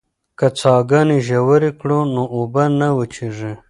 که څاګانې ژورې کړو نو اوبه نه وچېږي.